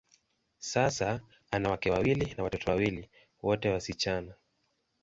Sasa, ana wake wawili na watoto wawili, wote wasichana.